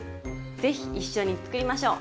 是非一緒に作りましょう！